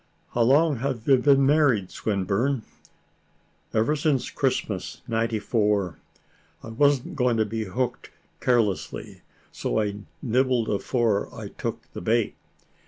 "How long have you been married, Swinburne?" "Ever since Christmas '94. I wasn't going to be hook'd carelessly, so I nibbled afore I took the bait.